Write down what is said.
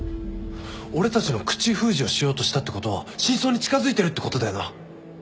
俺たちの口封じをしようとしたってことは真相に近づいてるってことだよな。